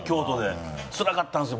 つらかったんですよ。